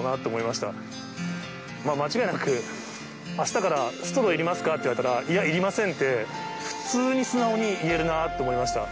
まあ、間違いなく、あしたからは、ストローいりますかって聞かれたら、いや、いりませんって、普通に素直に言えるなと思いました。